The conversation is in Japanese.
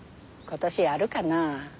今年あるかなあ？